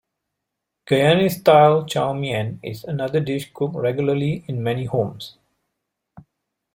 Guyanese-style Chow Mein is another dish cooked regularly in many homes.